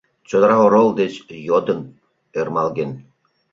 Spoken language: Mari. Чодыра орол деч йодым ӧрмалген.